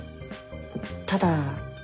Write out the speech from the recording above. ただ。